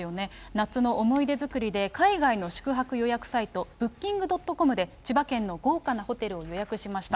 夏の思い出作りで海外の宿泊予約サイト、ブッキング・ドットコムで、千葉県の豪華なホテルを予約しました。